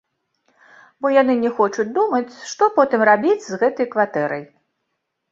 Бо яны не хочуць думаць, што потым рабіць з гэтай кватэрай.